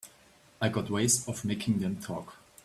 I got ways of making them talk.